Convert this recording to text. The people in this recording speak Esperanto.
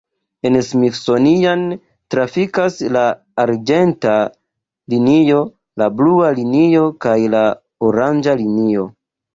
En Smithsonian trafikas la arĝenta linio, la blua linio kaj la oranĝa linio.